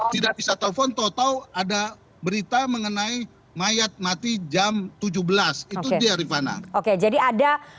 tidak bisa telepon total ada berita mengenai mayat mati jam tujuh belas itu dia rifana oke jadi ada